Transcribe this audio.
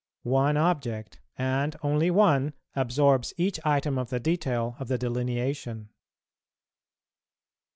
One object, and only one, absorbs each item of the detail of the delineation.